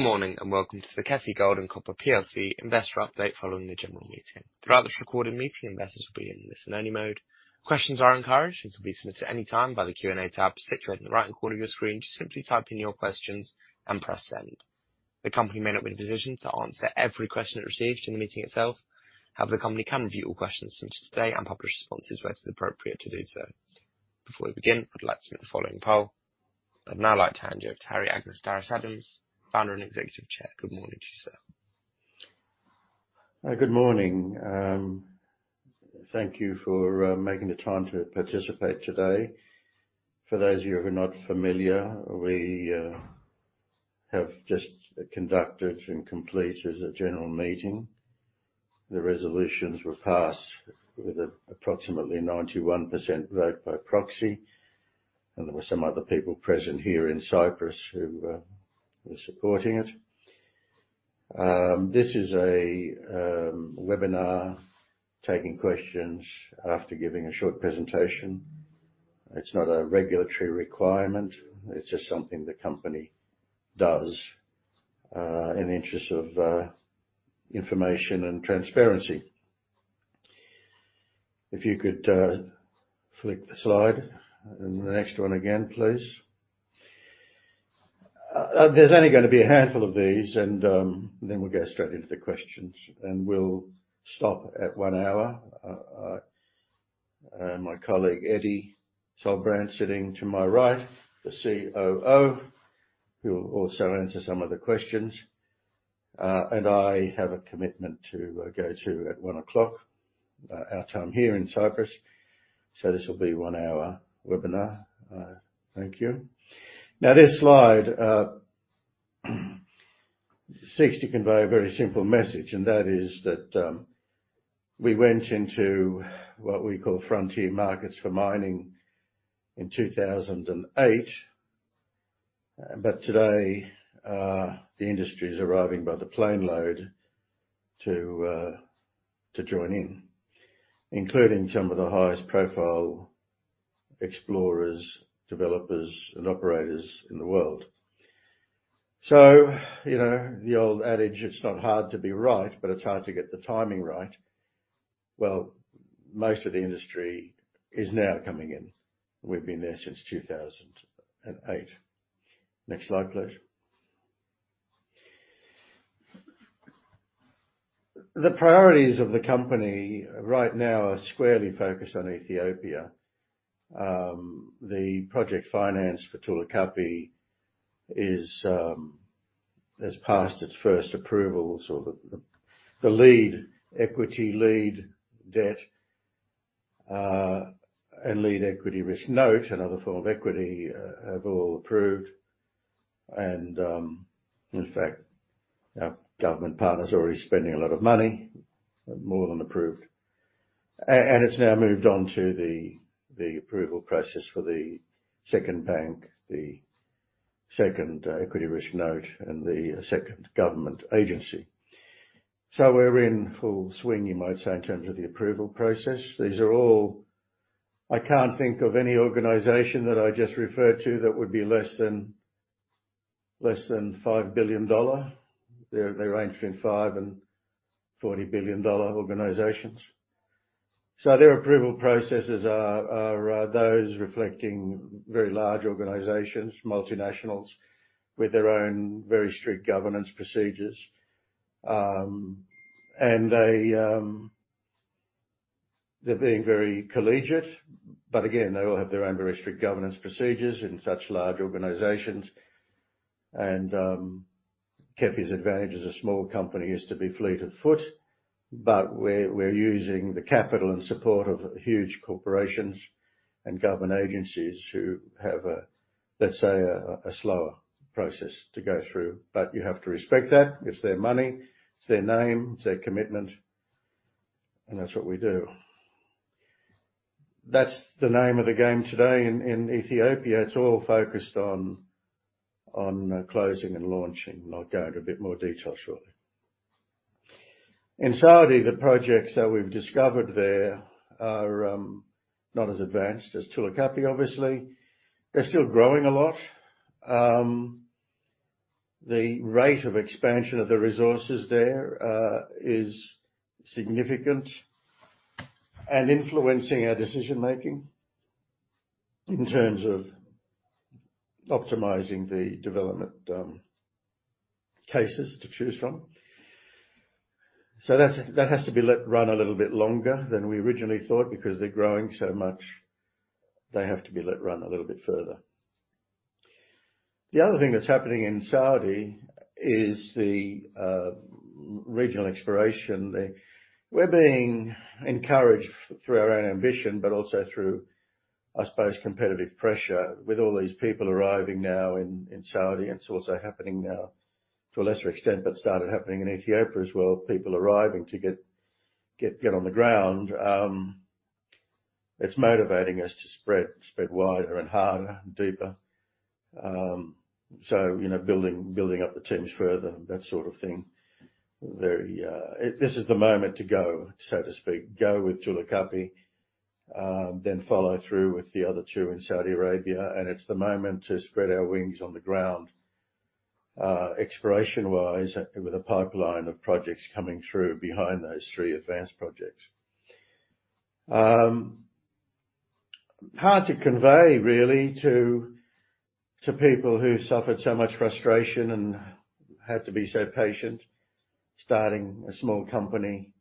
Good morning, and welcome to the KEFI Gold and Copper plc investor update following the general meeting. Throughout this recorded meeting, investors will be in listen-only mode. Questions are encouraged and can be submitted any time by the Q&A tab situated in the right corner of your screen. Just simply type in your questions and press send. The company may not be in a position to answer every question it receives during the meeting itself. However, the company can review all questions submitted today and publish responses where it is appropriate to do so. Before we begin, I'd like to submit the following poll. I'd now like to hand you over to Harry Anagnostaras-Adams, Founder and Executive Chair. Good morning to you, sir. Good morning. Thank you for making the time to participate today. For those of you who are not familiar, we have just conducted and completed a general meeting. The resolutions were passed with approximately 91% vote by proxy, and there were some other people present here in Cyprus who were supporting it. This is a webinar taking questions after giving a short presentation. It's not a regulatory requirement. It's just something the company does in the interest of information and transparency. If you could flick the slide. The next one again, please. There's only gonna be a handful of these and then we'll go straight into the questions, and we'll stop at one hour. My colleague Eddy Solbrandt, sitting to my right, the COO, who will also answer some of the questions. I have a commitment to go to at 1 o'clock our time here in Cyprus. This will be a 1-hour webinar. Thank you. Now, this slide seeks to convey a very simple message, and that is that we went into what we call frontier markets for mining in 2008. Today, the industry is arriving by the planeload to join in, including some of the highest profile explorers, developers and operators in the world. You know, the old adage, it's not hard to be right, but it's hard to get the timing right. Well, most of the industry is now coming in. We've been there since 2008. Next slide, please. The priorities of the company right now are squarely focused on Ethiopia. The project finance for Tulu Kapi is has passed its first approvals or the lead equity, lead debt, and lead equity risk note and other form of equity have all approved. In fact, our government partner is already spending a lot of money, more than approved. It's now moved on to the approval process for the second bank, the second equity risk note and the second government agency. We're in full swing, you might say, in terms of the approval process. These are all. I can't think of any organization that I just referred to that would be less than $5 billion. They range between $5 billion-$40 billion organizations. Their approval processes are those reflecting very large organizations, multinationals with their own very strict governance procedures. They’re being very collegiate. Again, they all have their own very strict governance procedures in such large organizations. KEFI’s advantage as a small company is to be fleet of foot. We’re using the capital and support of huge corporations and government agencies who have, let’s say, a slower process to go through. You have to respect that. It’s their money. It’s their name, it’s their commitment, and that’s what we do. That’s the name of the game today in Ethiopia. It’s all focused on closing and launching. I’ll go into a bit more detail shortly. In Saudi, the projects that we’ve discovered there are not as advanced as Tulu Kapi, obviously. They’re still growing a lot. The rate of expansion of the resources there is significant and influencing our decision-making in terms of optimizing the development cases to choose from. That's, that has to be let run a little bit longer than we originally thought. Because they're growing so much, they have to be let run a little bit further. The other thing that's happening in Saudi is the regional exploration. We're being encouraged through our own ambition, but also through, I suppose, competitive pressure with all these people arriving now in Saudi. It's also happening now to a lesser extent, but started happening in Ethiopia as well. People arriving to get on the ground. It's motivating us to spread wider and harder and deeper. You know, building up the teams further, that sort of thing. This is the moment to go, so to speak. Go with Tulu Kapi, then follow through with the other two in Saudi Arabia. It's the moment to spread our wings on the ground, exploration-wise, with a pipeline of projects coming through behind those three advanced projects. Hard to convey really to people who suffered so much frustration and had to be so patient starting a small company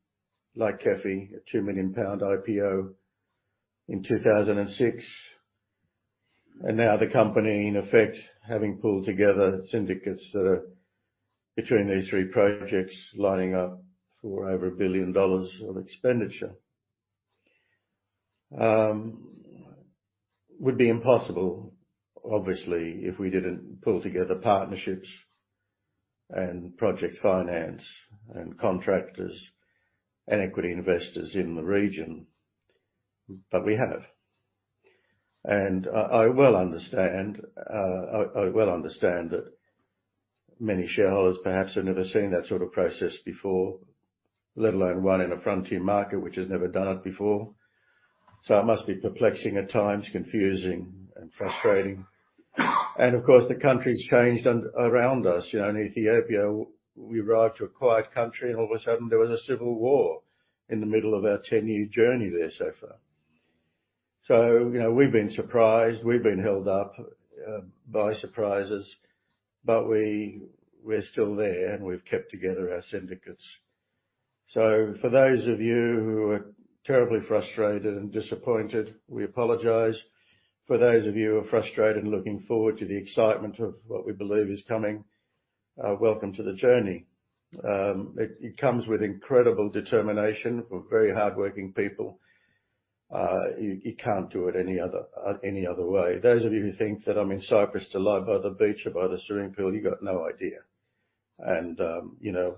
like KEFI, a 2 million pound IPO in 2006. Now the company in effect, having pulled together syndicates that are, between these three projects, lining up for over billion dollars on expenditure would be impossible, obviously, if we didn't pull together partnerships and project finance and contractors and equity investors in the region. We have it. I well understand that many shareholders perhaps have never seen that sort of process before, let alone one in a frontier market which has never done it before. It must be perplexing at times, confusing and frustrating. Of course, the country's changed around us. You know, in Ethiopia, we arrived to a quiet country and all of a sudden there was a civil war in the middle of our ten-year journey there so far. You know, we've been surprised, we've been held up by surprises, but we're still there, and we've kept together our syndicates. For those of you who are terribly frustrated and disappointed, we apologize. For those of you who are frustrated and looking forward to the excitement of what we believe is coming, welcome to the journey. It comes with incredible determination of very hardworking people. You can't do it any other way. Those of you who think that I'm in Cyprus to lie by the beach or by the swimming pool, you've got no idea. You know,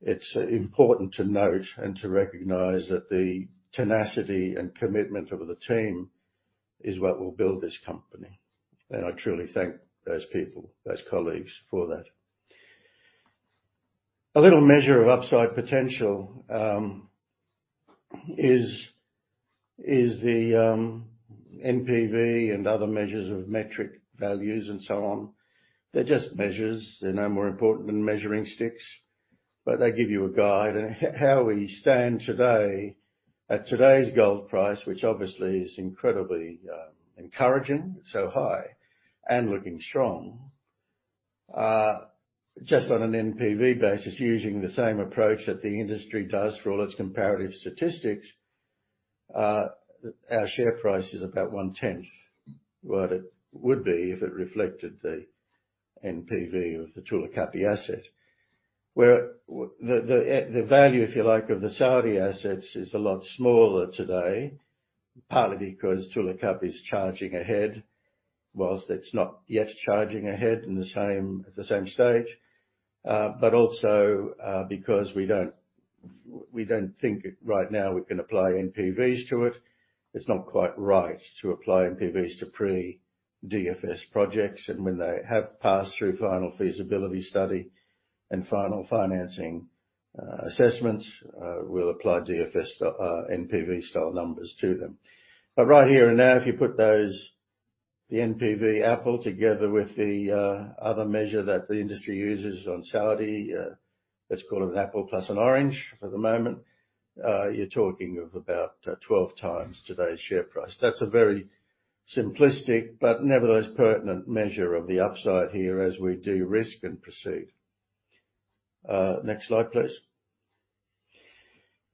it's important to note and to recognize that the tenacity and commitment of the team is what will build this company. I truly thank those people, those colleagues for that. A little measure of upside potential is the NPV and other measures of metric values and so on. They're just measures. They're no more important than measuring sticks, but they give you a guide. How we stand today, at today's gold price, which obviously is incredibly encouraging, so high and looking strong. Just on an NPV basis, using the same approach that the industry does for all its comparative statistics, our share price is about 1/10 what it would be if it reflected the NPV of the Tulu Kapi asset. The value, if you like, of the Saudi assets is a lot smaller today, partly because Tulu Kapi is charging ahead, while it's not yet charging ahead in the same, at the same stage. Also, because we don't think right now we can apply NPVs to it. It's not quite right to apply NPVs to pre-DFS projects. When they have passed through final feasibility study and final financing assessments, we'll apply DFS NPV-style numbers to them. Right here and now, if you put those, the NPV apple together with the other measure that the industry uses on Saudi, let's call it an apple plus an orange for the moment, you're talking about 12 times today's share price. That's a very simplistic but nevertheless pertinent measure of the upside here as we de-risk and proceed. Next slide, please.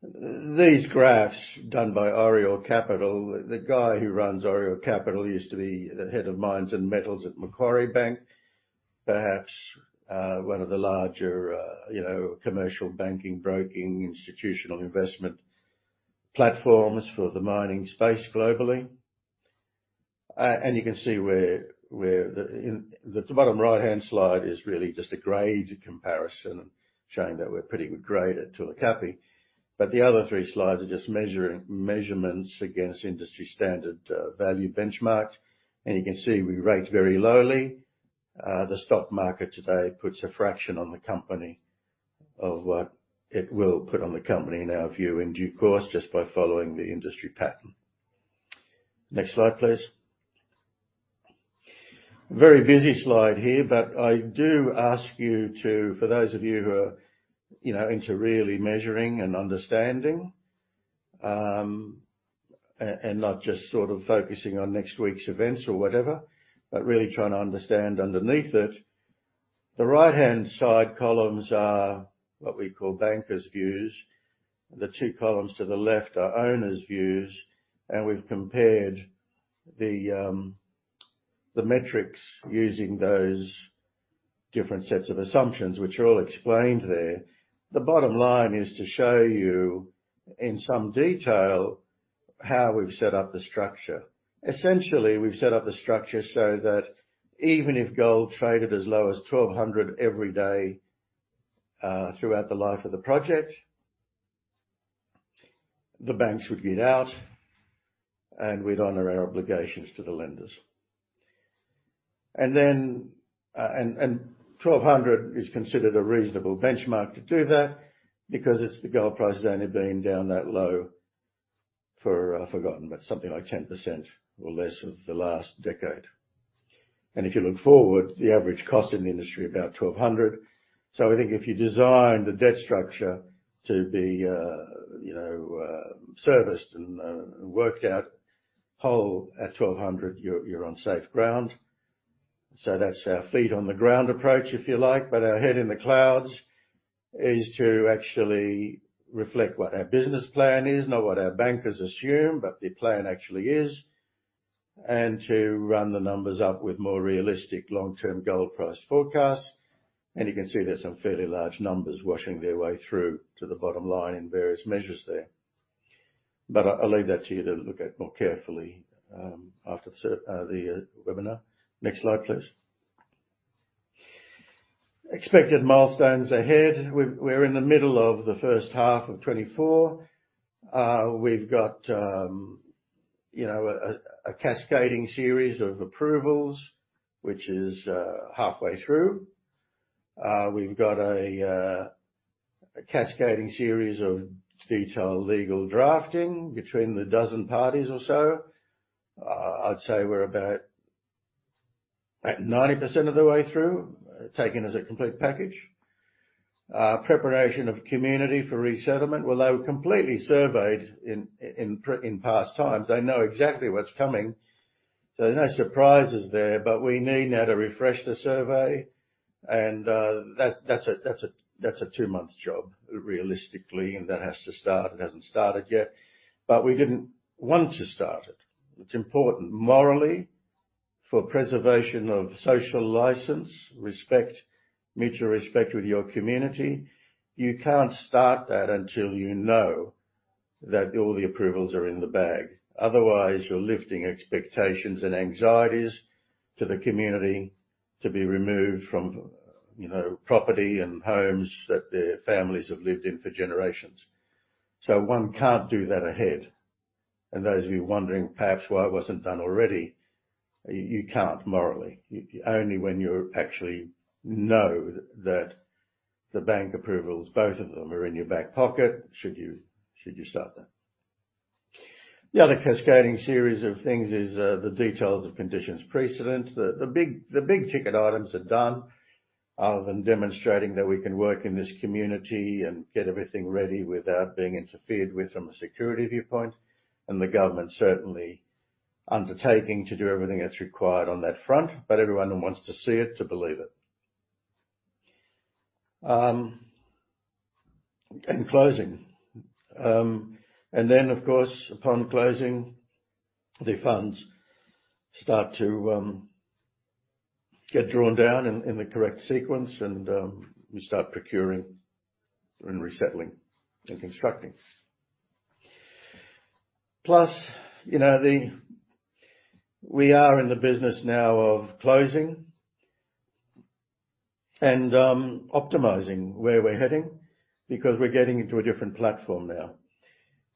These graphs done by Oriel Capital. The guy who runs Oriel Capital used to be the head of mines and metals at Macquarie Bank. Perhaps one of the larger, you know, commercial banking, broking, institutional investment platforms for the mining space globally. You can see where the bottom right-hand slide is really just a grade comparison showing that we're pretty good grade at Tulu Kapi. The other three slides are just measuring measurements against industry standard value benchmarks. You can see we rate very lowly. The stock market today puts a fraction on the company of what it will put on the company in our view in due course, just by following the industry pattern. Next slide, please. Very busy slide here, but I do ask you to, for those of you who are, you know, into really measuring and understanding, and not just sort of focusing on next week's events or whatever, but really trying to understand underneath it. The right-hand side columns are what we call bankers' views. The two columns to the left are owners' views. We've compared the metrics using those different sets of assumptions which are all explained there. The bottom line is to show you in some detail how we've set up the structure. Essentially, we've set up the structure so that even if gold traded as low as $1,200 every day throughout the life of the project, the banks would get out and we'd honor our obligations to the lenders. $1,200 is considered a reasonable benchmark to do that because the gold price has only been down that low for, I've forgotten, but something like 10% or less of the last decade. If you look forward, the average cost in the industry is about $1,200. I think if you design the debt structure to be, you know, serviced and worked out whole at $1,200, you're on safe ground. That's our feet on the ground approach, if you like. Our head in the clouds is to actually reflect what our business plan is, not what our bankers assume, but the plan actually is, and to run the numbers up with more realistic long-term gold price forecasts. You can see there's some fairly large numbers washing their way through to the bottom line in various measures there. I'll leave that to you to look at more carefully after the webinar. Next slide, please. Expected milestones ahead. We're in the middle of the first half of 2024. We've got a cascading series of approvals, which is halfway through. We've got a cascading series of detailed legal drafting between the dozen parties or so. I'd say we're about at 90% of the way through, taken as a complete package. Preparation of community for resettlement. Well, they were completely surveyed in past times. They know exactly what's coming, so there's no surprises there. We need now to refresh the survey and that's a two-month job realistically, and that has to start. It hasn't started yet. We didn't want to start it. It's important morally for preservation of social license, respect, mutual respect with your community. You can't start that until you know that all the approvals are in the bag. Otherwise, you're lifting expectations and anxieties to the community to be removed from, you know, property and homes that their families have lived in for generations. One can't do that ahead. Those of you wondering perhaps why it wasn't done already, you can't morally. Only when you actually know that the bank approvals, both of them, are in your back pocket should you start that. The other cascading series of things is the details of conditions precedent. The big-ticket items are done other than demonstrating that we can work in this community and get everything ready without being interfered with from a security viewpoint, and the government certainly undertaking to do everything that's required on that front. Everyone wants to see it to believe it and closing. Of course, upon closing, the funds start to get drawn down in the correct sequence and we start procuring and resettling and constructing. You know, we are in the business now of closing and optimizing where we're heading because we're getting into a different platform now.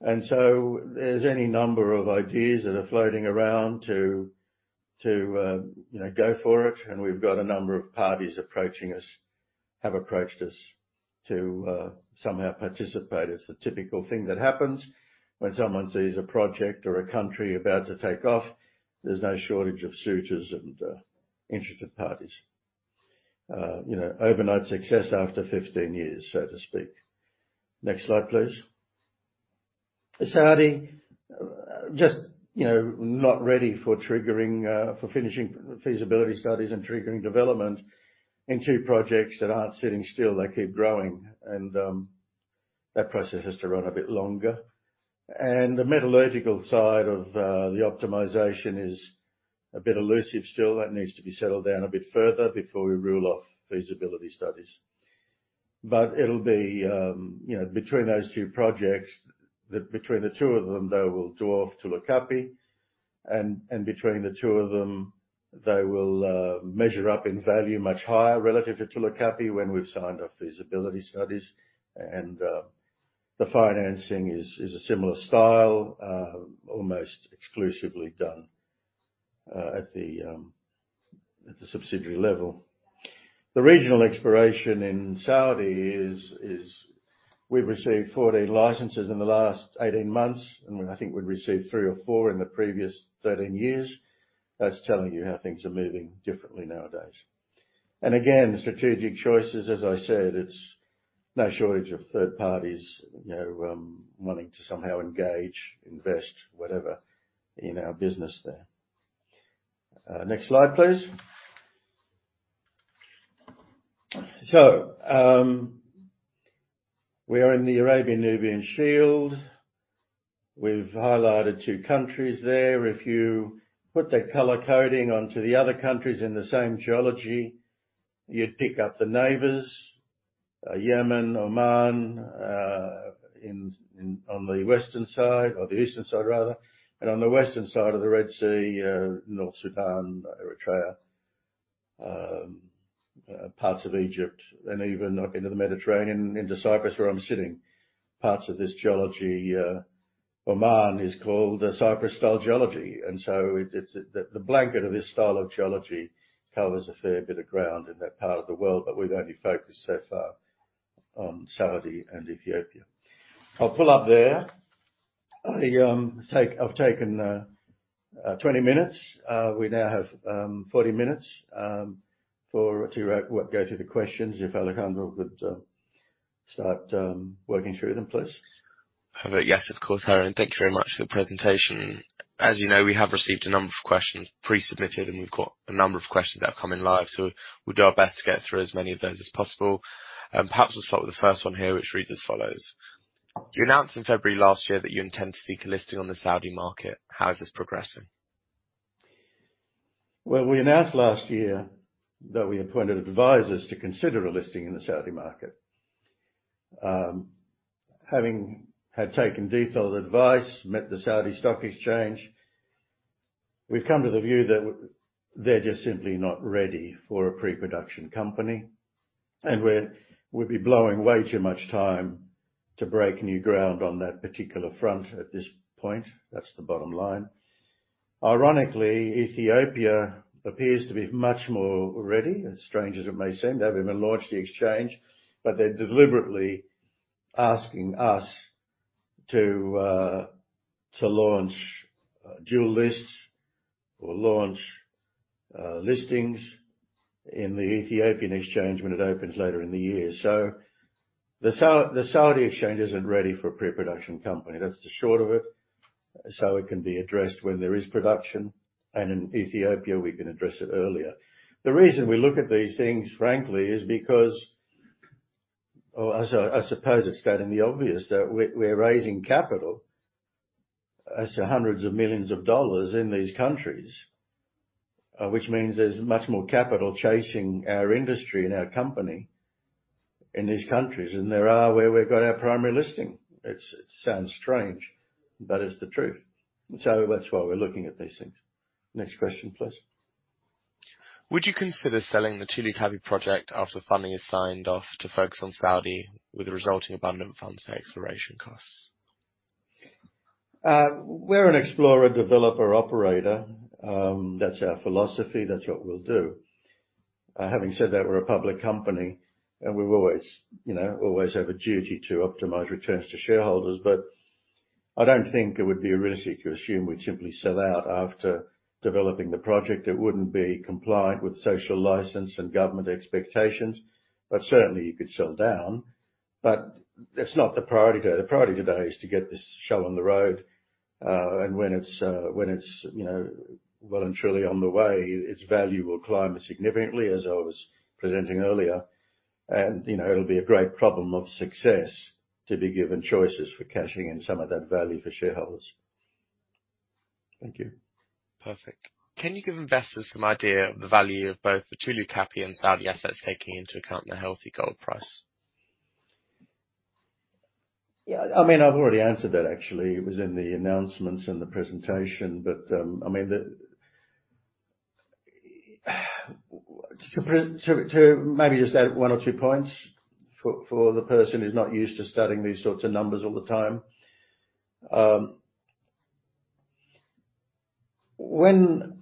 There's any number of ideas that are floating around to you know go for it, and we've got a number of parties approaching us, have approached us to somehow participate. It's the typical thing that happens when someone sees a project or a country about to take off. There's no shortage of suitors and interested parties. You know, overnight success after 15 years, so to speak. Next slide, please. Saudi just you know not ready for triggering for finishing feasibility studies and triggering development in two projects that aren't sitting still. They keep growing. That process has to run a bit longer. The metallurgical side of the optimization is a bit elusive still. That needs to be settled down a bit further before we rule off feasibility studies. It'll be, you know, between those two projects between the two of them they will dwarf Tulu Kapi. Between the two of them, they will measure up in value much higher relative to Tulu Kapi when we've signed off feasibility studies. The financing is a similar style almost exclusively done at the subsidiary level. The regional exploration in Saudi we've received 14 licenses in the last 18 months, and I think we'd received three or four in the previous 13 years. That's telling you how things are moving differently nowadays. Again, strategic choices, as I said, it's no shortage of third parties, you know, wanting to somehow engage, invest, whatever in our business there. Next slide, please. We are in the Arabian-Nubian Shield. We've highlighted two countries there. If you put the color coding onto the other countries in the same geology, you'd pick up the neighbors, Yemen, Oman, in on the western side or the eastern side rather. On the western side of the Red Sea, North Sudan, Eritrea, parts of Egypt and even up into the Mediterranean, into Cyprus, where I'm sitting. Parts of this geology, Oman is called, Cyprus-type geology. It's the blanket of this style of geology covers a fair bit of ground in that part of the world, but we've only focused so far on Saudi and Ethiopia. I'll pull up there. I've taken 20 minutes. We now have 40 minutes for, well, to go through the questions. If Alejandro could start working through them, please. Yes, of course, Harry, and thank you very much for the presentation. As you know, we have received a number of questions pre-submitted, and we've got a number of questions that have come in live, so we'll do our best to get through as many of those as possible. Perhaps we'll start with the first one here, which reads as follows: You announced in February last year that you intend to seek a listing on the Saudi market. How is this progressing? Well, we announced last year that we appointed advisors to consider a listing in the Saudi market. Having had taken detailed advice, met the Saudi Exchange, we've come to the view that they're just simply not ready for a pre-production company. We'd be blowing way too much time to break new ground on that particular front at this point. That's the bottom line. Ironically, Ethiopia appears to be much more ready, as strange as it may seem. They haven't even launched the exchange, but they're deliberately asking us to launch dual lists or launch listings in the Ethiopian Exchange when it opens later in the year. The Saudi Exchange isn't ready for a pre-production company. That's the short of it. It can be addressed when there is production. In Ethiopia, we can address it earlier. The reason we look at these things, frankly, is because I suppose it's stating the obvious that we're raising capital as to hundreds of millions in these countries, which means there's much more capital chasing our industry and our company in these countries than there are where we've got our primary listing. It sounds strange, but it's the truth. That's why we're looking at these things. Next question, please. Would you consider selling the Tulu Kapi project after funding is signed off to focus on Saudi with the resulting abundant funds for exploration costs? We're an explorer developer operator. That's our philosophy. That's what we'll do. Having said that, we're a public company and we've always, you know, have a duty to optimize returns to shareholders. I don't think it would be a realistic to assume we'd simply sell out after developing the project. It wouldn't be compliant with social license and government expectations, but certainly you could sell down. That's not the priority today. The priority today is to get this show on the road. When it's, you know, well and truly on the way, its value will climb significantly, as I was presenting earlier. It'll be a great problem of success to be given choices for cashing in some of that value for shareholders. Thank you. Perfect. Can you give investors some idea of the value of both the Tulu Kapi and Saudi assets taking into account the healthy gold price? Yeah, I mean, I've already answered that, actually. It was in the announcements in the presentation. To maybe just add one or two points for the person who's not used to studying these sorts of numbers all the time. When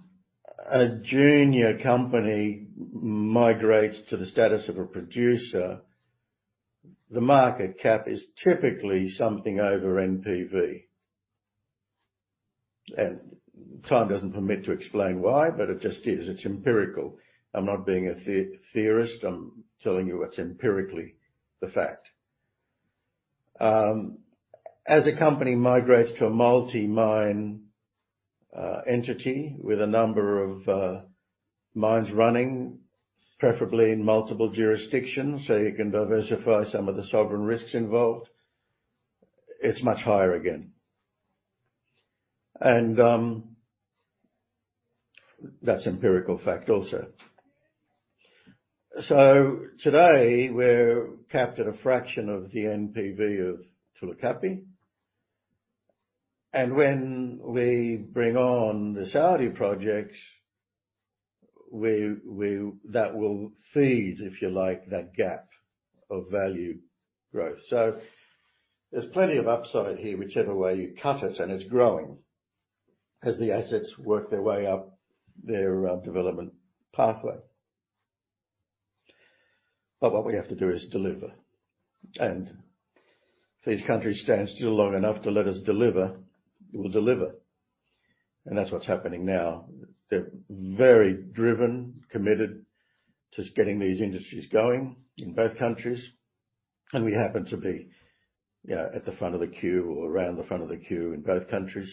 a junior company migrates to the status of a producer, the market cap is typically something over NPV. Time doesn't permit to explain why, but it just is. It's empirical. I'm not being a theorist. I'm telling you what's empirically the fact. As a company migrates to a multi-mine entity with a number of mines running, preferably in multiple jurisdictions, so you can diversify some of the sovereign risks involved, it's much higher again. That's empirical fact also. Today, we're capped at a fraction of the NPV of Tulu Kapi. When we bring on the Saudi projects, that will feed, if you like, that gap of value growth. There's plenty of upside here, whichever way you cut it, and it's growing as the assets work their way up their development pathway. What we have to do is deliver. If these countries stand still long enough to let us deliver, we'll deliver. That's what's happening now. They're very driven, committed to getting these industries going in both countries. We happen to be, you know, at the front of the queue or around the front of the queue in both countries.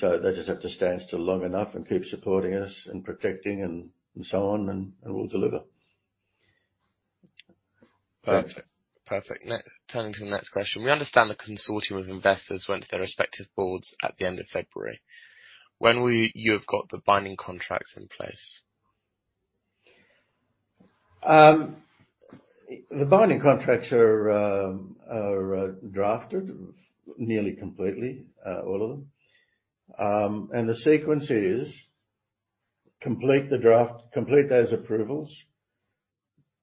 They just have to stand still long enough and keep supporting us and protecting and so on, and we'll deliver. Perfect. Turning to the next question, we understand a consortium of investors went to their respective boards at the end of February. When will you have got the binding contracts in place? The binding contracts are drafted nearly completely, all of them. The sequence is complete those approvals.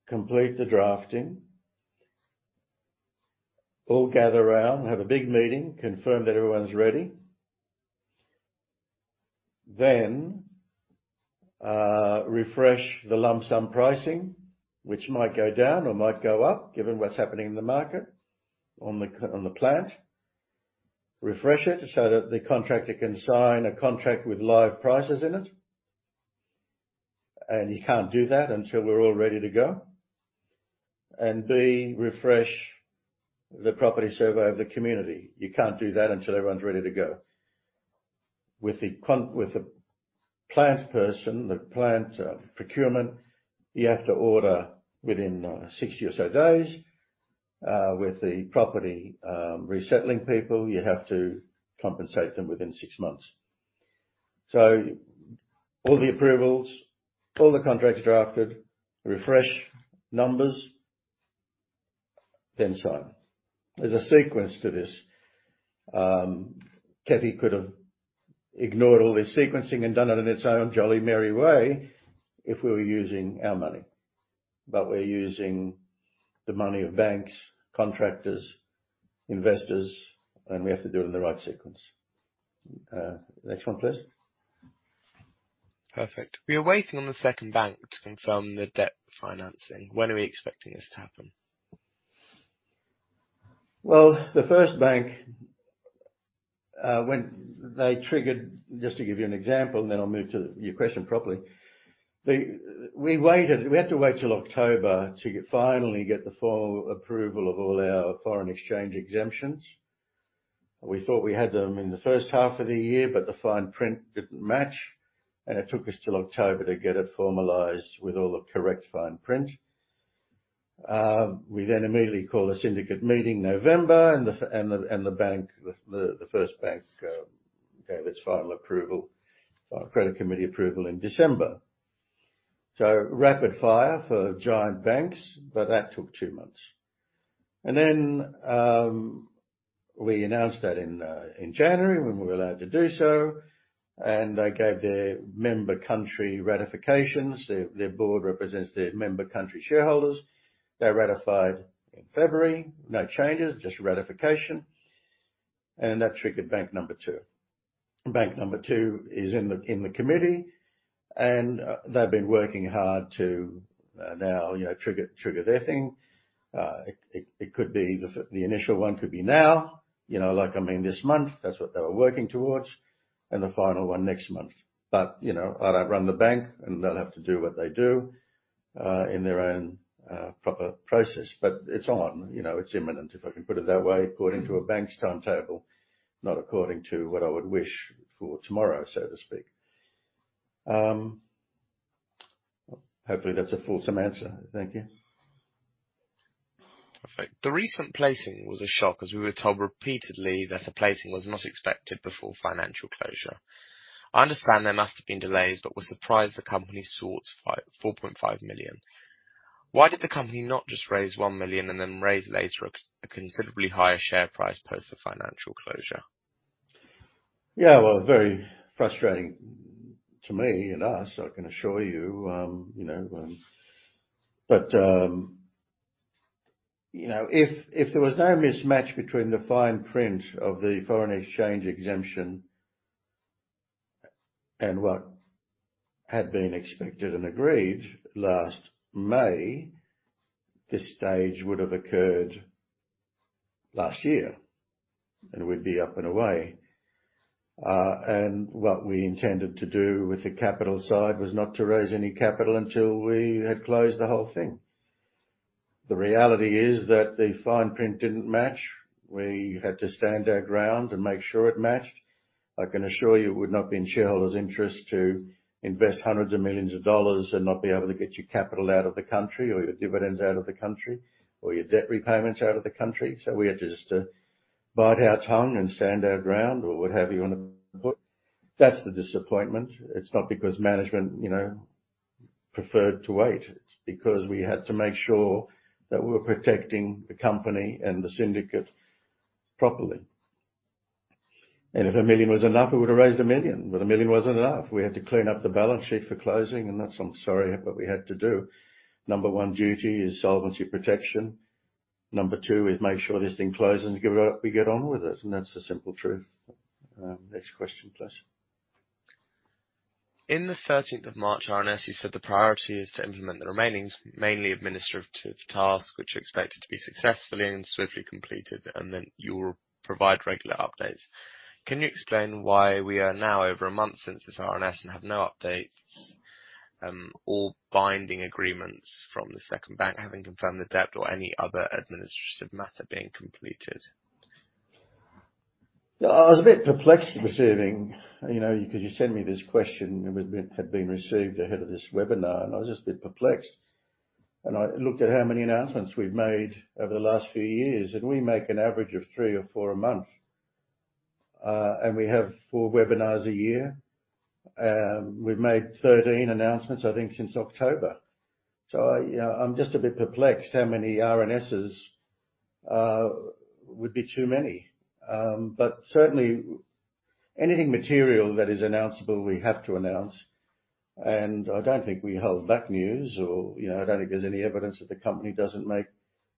Complete the drafting. All gather around, have a big meeting, confirm that everyone's ready. Then refresh the lump sum pricing, which might go down or might go up, given what's happening in the market on the plant. Refresh it so that the contractor can sign a contract with live prices in it. You can't do that until we're all ready to go. B, refresh the property survey of the community. You can't do that until everyone's ready to go. With the plant procurement, you have to order within 60 or so days. With the property resettling people, you have to compensate them within six months. All the approvals, all the contracts drafted, refresh numbers, then sign. There's a sequence to this. KEFI could have ignored all this sequencing and done it in its own jolly merry way if we were using our money. We're using the money of banks, contractors, investors, and we have to do it in the right sequence. Next one, please. Perfect. We are waiting on the second bank to confirm the debt financing. When are we expecting this to happen? Well, just to give you an example, and then I'll move to your question properly. We waited. We had to wait till October to finally get the formal approval of all our foreign exchange exemptions. We thought we had them in the first half of the year, but the fine print didn't match, and it took us till October to get it formalized with all the correct fine print. We then immediately called a syndicate meeting in November, and the first bank gave its final approval, credit committee approval in December. Rapid fire for giant banks, but that took two months. We announced that in January when we were allowed to do so, and they gave their member country ratifications. Their board represents their member country shareholders. They ratified in February. No changes, just ratification. That triggered bank number two. Bank number two is in the committee, and they've been working hard to now, you know, trigger their thing. It could be the initial one could be now. You know, like, I mean, this month. That's what they were working towards. The final one next month. You know, I don't run the bank, and they'll have to do what they do in their own proper process. It's on, you know. It's imminent, if I can put it that way, according to a bank's timetable, not according to what I would wish for tomorrow, so to speak. Hopefully that's a fulsome answer. Thank you. Perfect. The recent placing was a shock as we were told repeatedly that a placing was not expected before financial closure. I understand there must have been delays, but I was surprised the company sought 4.5 million. Why did the company not just raise 1 million and then raise later at a considerably higher share price post the financial closure? Yeah. Well, very frustrating to me and us, I can assure you. You know, but you know, if there was no mismatch between the fine print of the foreign exchange exemption and what had been expected and agreed last May, this stage would have occurred last year, and we'd be up and away. What we intended to do with the capital side was not to raise any capital until we had closed the whole thing. The reality is that the fine print didn't match. We had to stand our ground and make sure it matched. I can assure you it would not be in shareholders' interest to invest hundreds of millions of dollars and not be able to get your capital out of the country or your dividends out of the country or your debt repayments out of the country. We had to just bite our tongue and stand our ground or what have you. That's the disappointment. It's not because management, you know, preferred to wait. It's because we had to make sure that we were protecting the company and the syndicate properly. If a million was enough, we would have raised a million. A million wasn't enough. We had to clean up the balance sheet for closing, and that's. I'm sorry, but we had to do. Number one duty is solvency protection. Number two is make sure this thing closes and give it up, we get on with it, and that's the simple truth. Next question, please. In the 13th of March RNS, you said the priority is to implement the remaining mainly administrative tasks which are expected to be successfully and swiftly completed, and then you'll provide regular updates. Can you explain why we are now over a month since this RNS and have no updates, or binding agreements from the second bank having confirmed the debt or any other administrative matter being completed? Yeah. I was a bit perplexed receiving, you know, 'cause you sent me this question. It had been received ahead of this webinar, and I was just a bit perplexed. I looked at how many announcements we've made over the last few years, and we make an average of three or four a month. We have four webinars a year. We've made 13 announcements, I think, since October. I, you know, I'm just a bit perplexed how many RNSs would be too many. Certainly anything material that is announceable, we have to announce, and I don't think we hold back news or, you know, I don't think there's any evidence that the company doesn't make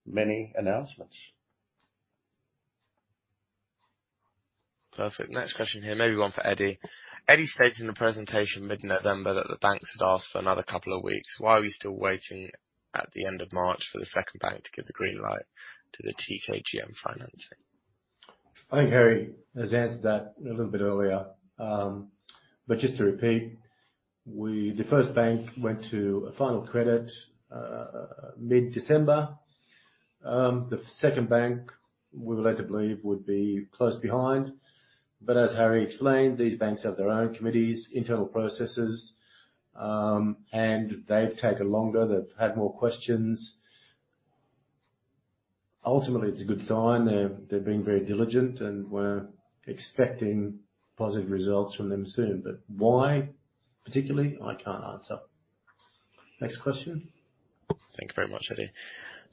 many announcements. Perfect. Next question here, maybe one for Eddy Solbrandt. Eddy Solbrandt states in the presentation mid-November that the banks had asked for another couple of weeks. Why are we still waiting at the end of March for the second bank to give the green light to the TKGM financing? I think Harry has answered that a little bit earlier. Just to repeat, the first bank went to a final credit committee mid-December. The second bank, we would like to believe, would be close behind. As Harry explained, these banks have their own committees, internal processes, and they've taken longer. They've had more questions. Ultimately, it's a good sign. They're being very diligent, and we're expecting positive results from them soon. Why, particularly? I can't answer. Next question. Thank you very much, Eddy.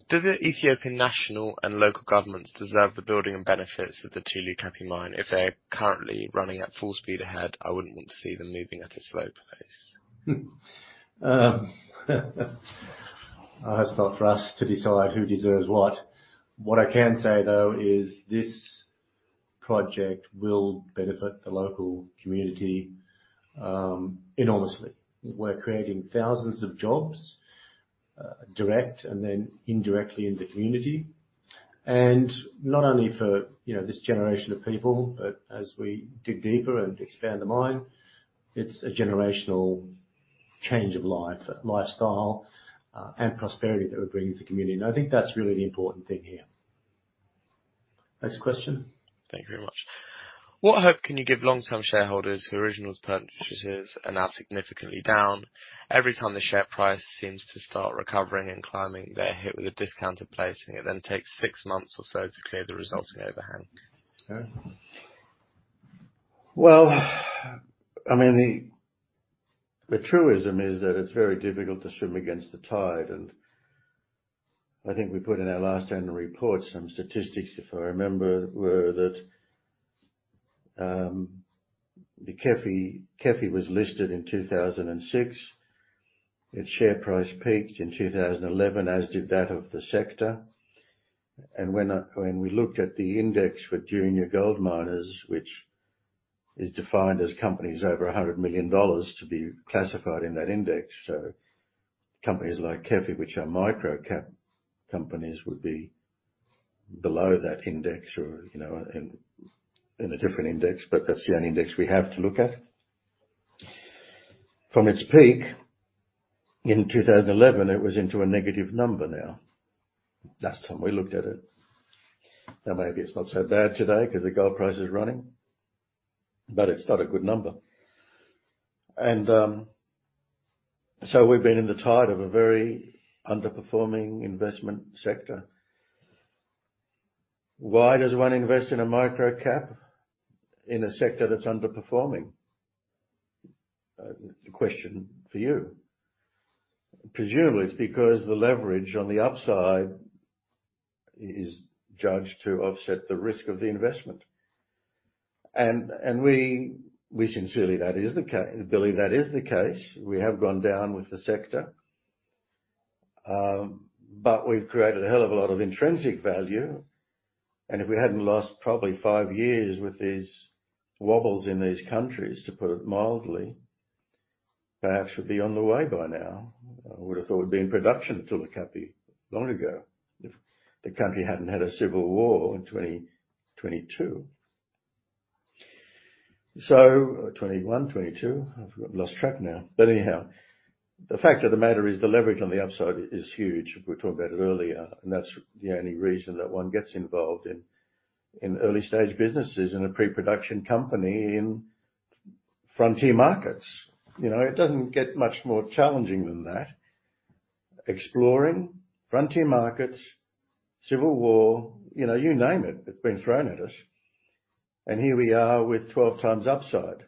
Do the Ethiopian national and local governments deserve the building and benefits of the Tulu Kapi mine? If they're currently running at full speed ahead, I wouldn't want to see them moving at a slow pace. That's not for us to decide who deserves what. What I can say, though, is this project will benefit the local community enormously. We're creating thousands of jobs, direct and then indirectly in the community. Not only for, you know, this generation of people, but as we dig deeper and expand the mine, it's a generational change of life, lifestyle, and prosperity that we're bringing to the community. I think that's really the important thing here. Next question. Thank you very much. What hope can you give long-term shareholders whose original purchases are now significantly down? Every time the share price seems to start recovering and climbing, they're hit with a discounted placing. It then takes six months or so to clear the resulting overhang. Well, I mean, the truism is that it's very difficult to swim against the tide. I think we put in our last annual report some statistics, if I remember, were that the KEFI was listed in 2006. Its share price peaked in 2011, as did that of the sector. When we looked at the index for junior gold miners, which is defined as companies over $100 million to be classified in that index. Companies like KEFI, which are micro-cap companies, would be below that index or, you know, in a different index, but that's the only index we have to look at. From its peak in 2011, it was into a negative number now. Last time we looked at it. Now, maybe it's not so bad today 'cause the gold price is running, but it's not a good number. We've been in the midst of a very underperforming investment sector. Why does one invest in a micro-cap in a sector that's underperforming? The question for you. Presumably, it's because the leverage on the upside is judged to offset the risk of the investment. We sincerely believe that is the case. We have gone down with the sector. We've created a hell of a lot of intrinsic value. If we hadn't lost probably five years with these wobbles in these countries, to put it mildly, perhaps we would be on the way by now. I would have thought we'd be in production at Tulu Kapi long ago if the country hadn't had a civil war in 2022. 2021, 2022. I've lost track now. Anyhow, the fact of the matter is the leverage on the upside is huge. We talked about it earlier, and that's the only reason that one gets involved in early-stage businesses, in a pre-production company in frontier markets. You know, it doesn't get much more challenging than that. Exploring frontier markets, civil war, you know, you name it's been thrown at us. Here we are with 12 times upside.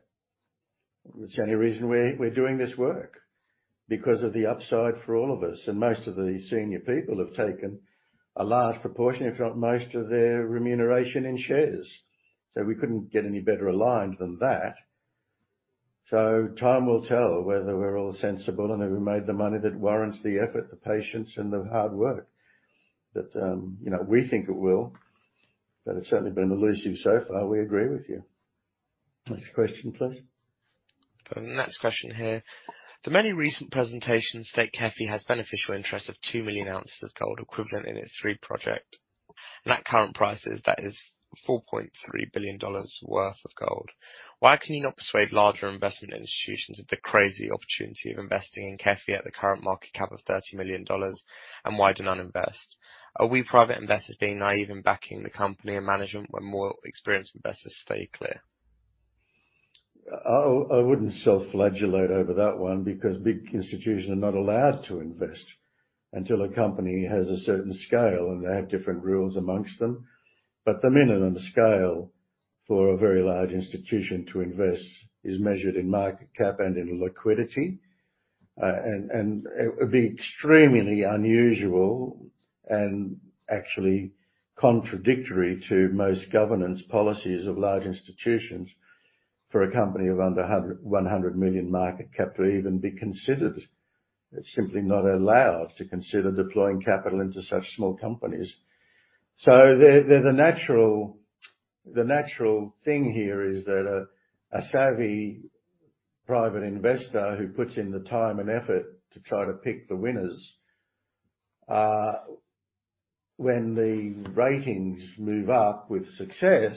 It's the only reason we're doing this work, because of the upside for all of us. Most of the senior people have taken a large proportion, if not most, of their remuneration in shares. We couldn't get any better aligned than that. Time will tell whether we're all sensible and if we made the money that warrants the effort, the patience, and the hard work. You know, we think it will, but it's certainly been elusive so far, we agree with you. Next question, please. Got the next question here. The many recent presentations state KEFI has beneficial interest of 2 million ounces of gold equivalent in its three projects. At current prices, that is $4.3 billion worth of gold. Why can you not persuade larger investment institutions of the crazy opportunity of investing in KEFI at the current market cap of $30 million? Why do none invest? Are we private investors being naive in backing the company and management when more experienced investors stay clear? I wouldn't self-flagellate over that one because big institutions are not allowed to invest until a company has a certain scale, and they have different rules among them. The minimum scale for a very large institution to invest is measured in market cap and in liquidity. It would be extremely unusual and actually contradictory to most governance policies of large institutions for a company of under 100 million market cap to even be considered. It's simply not allowed to consider deploying capital into such small companies. The natural thing here is that a savvy private investor who puts in the time and effort to try to pick the winners, when the ratings move up with success,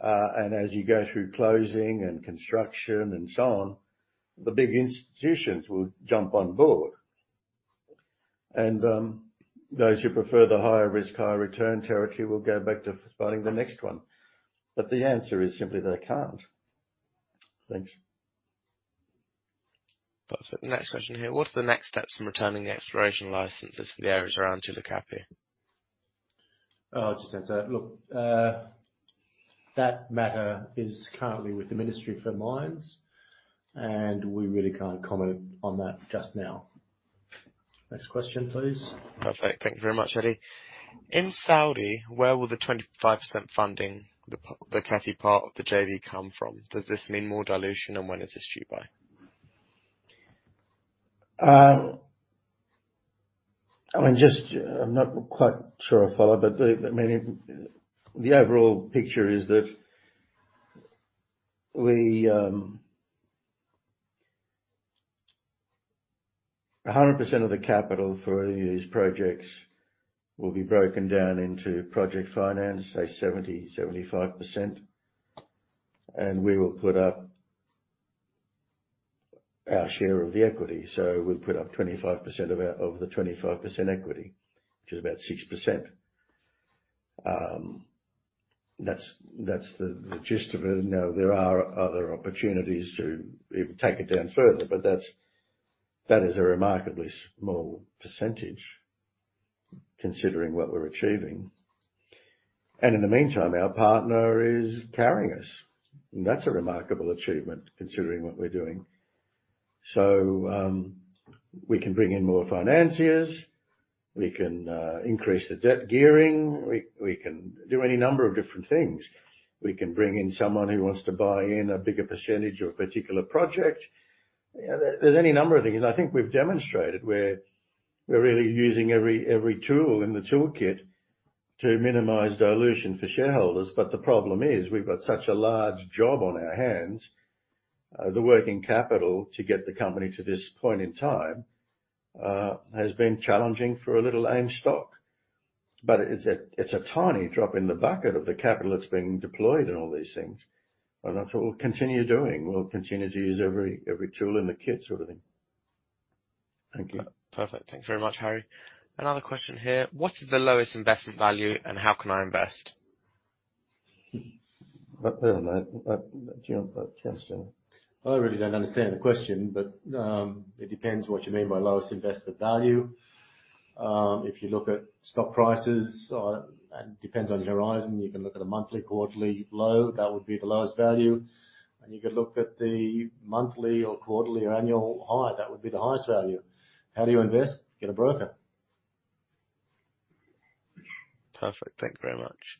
and as you go through closing and construction and so on, the big institutions will jump on board. Those who prefer the higher risk, higher return territory will go back to spotting the next one. The answer is simply they can't. Thanks. Perfect. Next question here. What are the next steps in returning the exploration licenses for the areas around Tulu Kapi? Oh, I'll just answer that. Look, that matter is currently with the Ministry of Mines, and we really can't comment on that just now. Next question, please. Perfect. Thank you very much, Eddy. In Saudi, where will the 25% funding, the Tulu Kapi part of the JV come from? Does this mean more dilution, and when is this due by? I mean, just, I'm not quite sure I follow, but the, I mean, the overall picture is that we, 100% of the capital for any of these projects will be broken down into project finance, say 70%-75%. We will put up our share of the equity. We'll put up 25% of the 25% equity, which is about 6%. That's the gist of it. Now, there are other opportunities to take it down further, but that's a remarkably small percentage considering what we're achieving. In the meantime, our partner is carrying us. That's a remarkable achievement considering what we're doing. We can bring in more financiers. We can increase the debt gearing. We can do any number of different things. We can bring in someone who wants to buy in a bigger percentage of a particular project. You know, there's any number of things. I think we've demonstrated where we're really using every tool in the toolkit to minimize dilution for shareholders. The problem is we've got such a large job on our hands. The working capital to get the company to this point in time has been challenging for an illiquid stock. It's a tiny drop in the bucket of the capital that's being deployed in all these things. That's what we'll continue doing. We'll continue to use every tool in the kit sort of thing. Thank you. Perfect. Thanks very much, Harry. Another question here. What is the lowest investment value and how can I invest? Well, I don't know. I jump at chance then. I really don't understand the question, but it depends what you mean by lowest investment value. It depends on your horizon. You can look at a monthly, quarterly low. That would be the lowest value. You could look at the monthly or quarterly or annual high. That would be the highest value. How do you invest? Get a broker. Perfect. Thank you very much.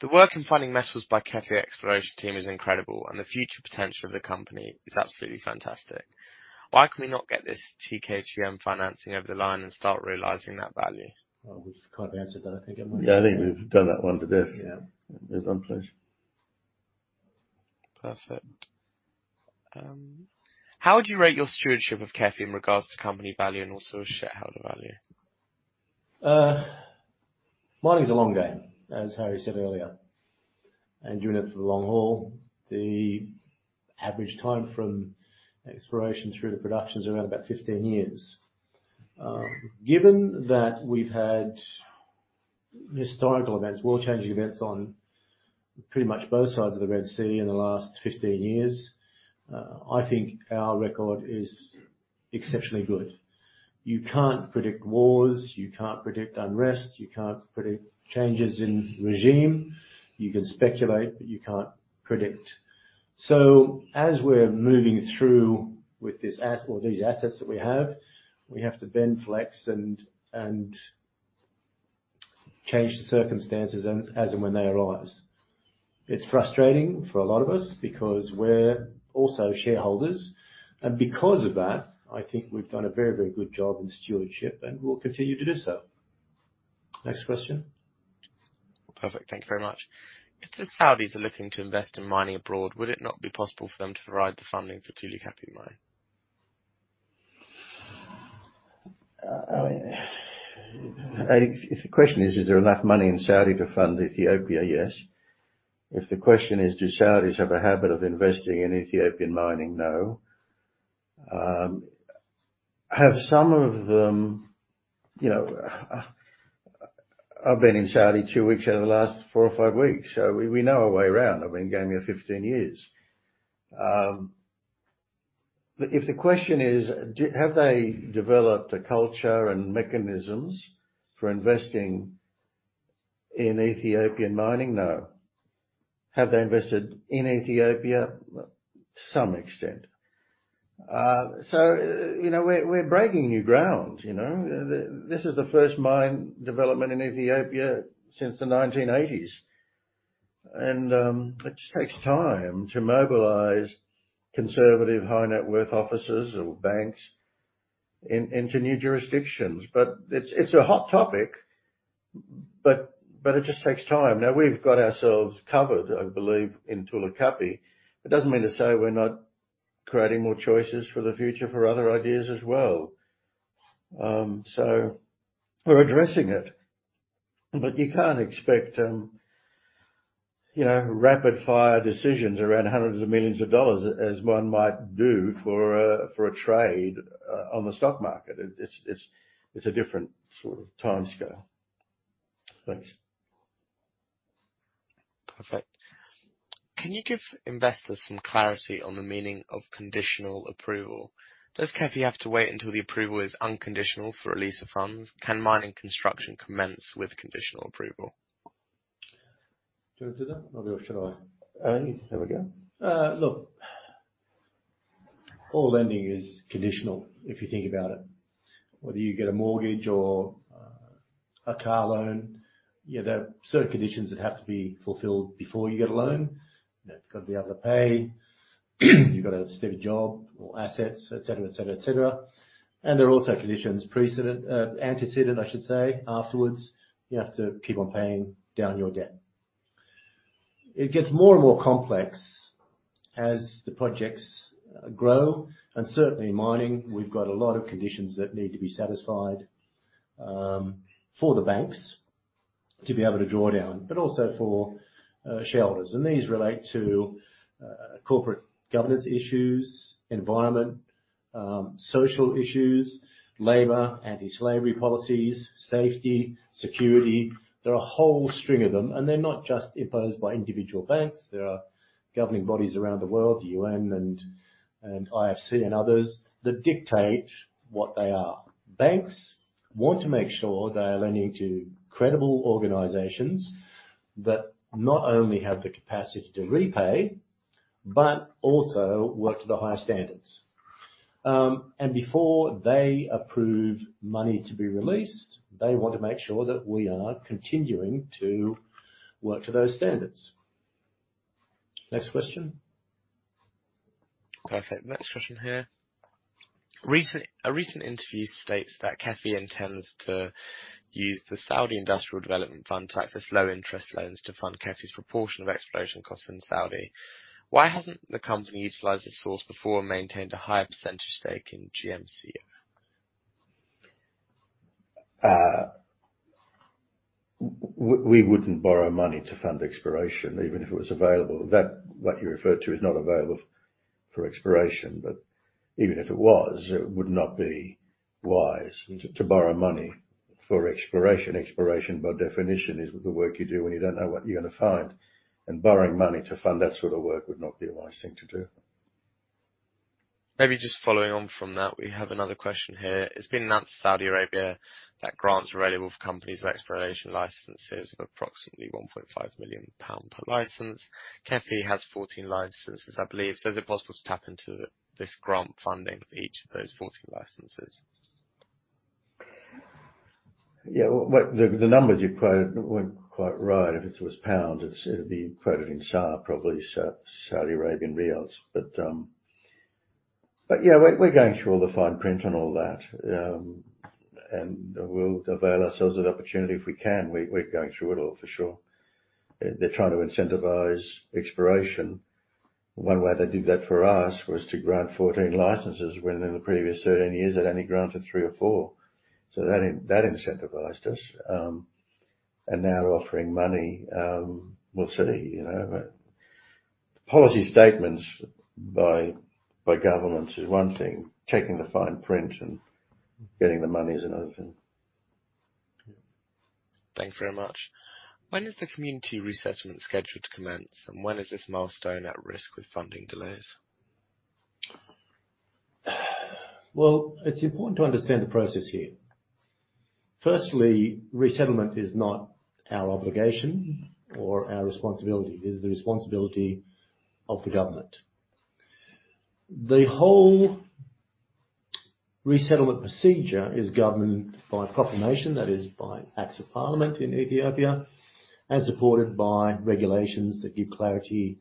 The work in finding metals by KEFI Exploration team is incredible, and the future potential of the company is absolutely fantastic. Why can we not get this to TKGM financing over the line and start realizing that value? Well, we've kind of answered that, I think, haven't we? Yeah. I think we've done that one to death. Yeah. Next one please. Perfect. How would you rate your stewardship of Tulu Kapi in regards to company value and also shareholder value? Mining is a long game, as Harry said earlier. You're in it for the long haul. The average time from exploration through to production is around about 15 years. Given that we've had historical events, world-changing events on pretty much both sides of the Red Sea in the last 15 years, I think our record is exceptionally good. You can't predict wars. You can't predict unrest. You can't predict changes in regime. You can speculate, but you can't predict. As we're moving through with this or these assets that we have, we have to bend, flex and change the circumstances as and when they arise. It's frustrating for a lot of us because we're also shareholders. Because of that, I think we've done a very, very good job in stewardship, and we'll continue to do so. Next question. Perfect. Thank you very much. If the Saudis are looking to invest in mining abroad, would it not be possible for them to provide the funding for Tulu Kapi mine? If the question is there enough money in Saudi to fund Ethiopia? Yes. If the question is, do Saudis have a habit of investing in Ethiopian mining? No. Have some of them, you know, I've been in Saudi two weeks out of the last four or five weeks, so we know our way around. I've been going there 15 years. If the question is, have they developed a culture and mechanisms for investing in Ethiopian mining? No. Have they invested in Ethiopia? To some extent. You know, we're breaking new ground, you know. This is the first mine development in Ethiopia since the 1980s. It just takes time to mobilize conservative high net worth officers or banks into new jurisdictions. It's a hot topic, but it just takes time. Now we've got ourselves covered, I believe, in Tulu Kapi. It doesn't mean to say we're not creating more choices for the future for other ideas as well. We're addressing it. You can't expect, you know, rapid fire decisions around $100s of millions as one might do for a trade on the stock market. It's a different sort of timescale. Thanks. Perfect. Can you give investors some clarity on the meaning of conditional approval? Does KEFI have to wait until the approval is unconditional for release of funds? Can mining construction commence with conditional approval? Do you want to do that, Eddy, or should I? Have a go. Look, all lending is conditional, if you think about it. Whether you get a mortgage or a car loan, yeah, there are certain conditions that have to be fulfilled before you get a loan. You know, got to be able to pay. You've got to have a steady job or assets, et cetera. There are also conditions precedent, I should say, afterwards, you have to keep on paying down your debt. It gets more and more complex as the projects grow, and certainly in mining, we've got a lot of conditions that need to be satisfied for the banks to be able to draw down, but also for shareholders. These relate to corporate governance issues, environment, social issues, labor, anti-slavery policies, safety, security. There are a whole string of them, and they're not just imposed by individual banks. There are governing bodies around the world, the UN and IFC and others, that dictate what they are. Banks want to make sure they are lending to credible organizations that not only have the capacity to repay, but also work to the highest standards. Before they approve money to be released, they want to make sure that we are continuing to work to those standards. Next question. Perfect. Next question here. A recent interview states that KEFI intends to use the Saudi Industrial Development Fund to access low-interest loans to fund KEFI's proportion of exploration costs in Saudi. Why hasn't the company utilized this source before and maintained a higher percentage stake in GMCO? We wouldn't borrow money to fund exploration even if it was available. That, what you referred to is not available for exploration, but even if it was, it would not be wise to borrow money for exploration. Exploration, by definition, is the work you do when you don't know what you're gonna find. Borrowing money to fund that sort of work would not be a wise thing to do. Maybe just following on from that, we have another question here. It's been announced in Saudi Arabia that grants are available for companies with exploration licenses of approximately 1.5 million pound per license. KEFI has 14 licenses, I believe. Is it possible to tap into this grant funding for each of those 14 licenses? Yeah. What, the numbers you quoted weren't quite right. If it was pound, it'd be quoted in SAR, probably Saudi Arabian riyals. We're going through all the fine print and all that. We'll avail ourselves of the opportunity if we can. We're going through it all for sure. They're trying to incentivize exploration. One way they did that for us was to grant 14 licenses, when in the previous 13 years they'd only granted three or four. That incentivized us. Now they're offering money. We'll see, you know. Policy statements by governments is one thing. Checking the fine print and getting the money is another thing. Thanks very much. When is the community resettlement scheduled to commence, and when is this milestone at risk with funding delays? Well, it's important to understand the process here. Firstly, resettlement is not our obligation or our responsibility. It is the responsibility of the government. The whole resettlement procedure is governed by proclamation, that is by acts of parliament in Ethiopia, and supported by regulations that give clarity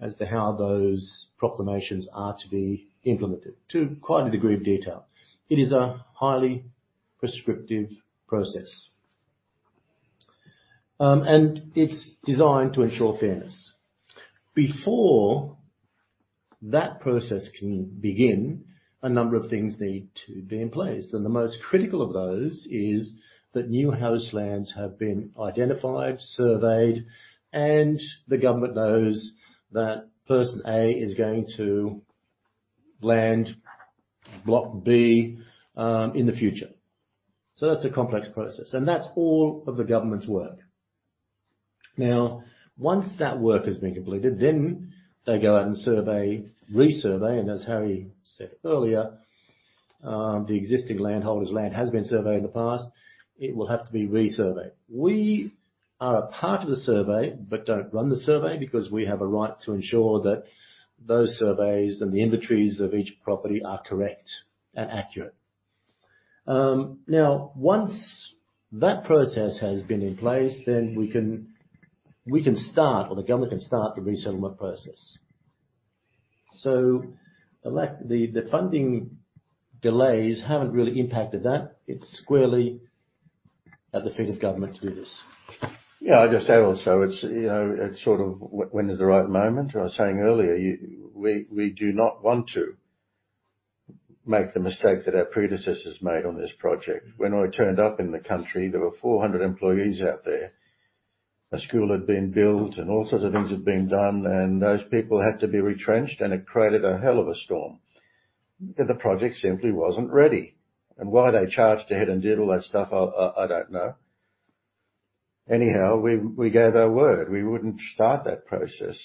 as to how those proclamations are to be implemented to quite a degree of detail. It is a highly prescriptive process. It's designed to ensure fairness. Before that process can begin, a number of things need to be in place, and the most critical of those is that new house lands have been identified, surveyed, and the government knows that person A is going to land block B in the future. That's a complex process, and that's all of the government's work. Now, once that work has been completed, then they go out and survey, resurvey, and as Harry said earlier, the existing landholder's land has been surveyed in the past. It will have to be resurveyed. We are a part of the survey, but don't run the survey because we have a right to ensure that those surveys and the inventories of each property are correct and accurate. Now, once that process has been in place, then we can start, or the government can start the resettlement process. The funding delays haven't really impacted that. It's squarely at the feet of government to do this. Yeah, I'll just add also, it's, you know, it's sort of when is the right moment? I was saying earlier, we do not want to make the mistake that our predecessors made on this project. When I turned up in the country, there were 400 employees out there. A school had been built, and all sorts of things had been done, and those people had to be retrenched, and it created a hell of a storm. The project simply wasn't ready. Why they charged ahead and did all that stuff, I don't know. Anyhow, we gave our word. We wouldn't start that process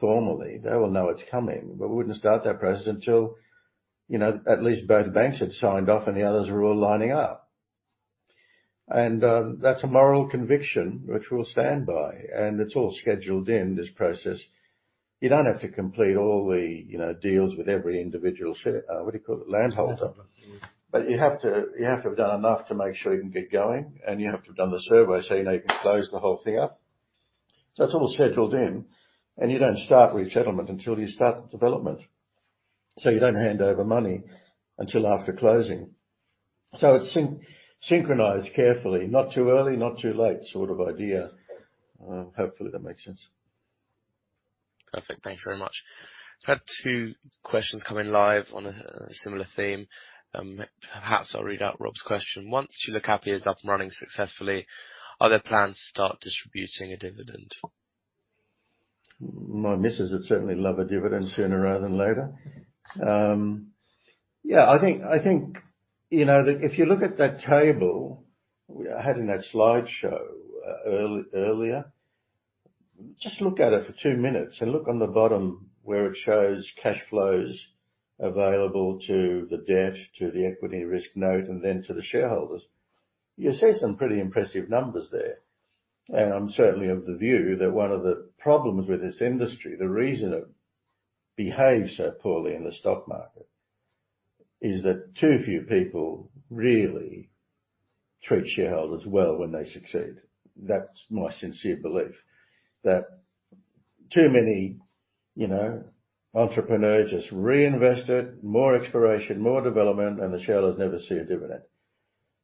formally. They will know it's coming, but we wouldn't start that process until, you know, at least both banks had signed off and the others were all lining up. That's a moral conviction which we'll stand by, and it's all scheduled in this process. You don't have to complete all the, you know, deals with every individual what do you call it? Landholder. Landholder. You have to have done enough to make sure you can get going, and you have to have done the survey so you know you can close the whole thing up. It's all scheduled in, and you don't start resettlement until you start development. You don't hand over money until after closing. It's synchronized carefully. Not too early, not too late, sort of idea. Hopefully that makes sense. Perfect. Thank you very much. I've had two questions come in live on a similar theme. Perhaps I'll read out Rob's question. Once Tulu Kapi is up and running successfully, are there plans to start distributing a dividend? My missus would certainly love a dividend sooner rather than later. Yeah, I think, you know, if you look at that table I had in that slideshow earlier, just look at it for two minutes and look on the bottom where it shows cash flows available to the debt, to the equity risk note, and then to the shareholders. You'll see some pretty impressive numbers there. I'm certainly of the view that one of the problems with this industry, the reason it behaves so poorly in the stock market, is that too few people really treat shareholders well when they succeed. That's my sincere belief, that too many, you know, entrepreneurs just reinvest it, more exploration, more development, and the shareholders never see a dividend.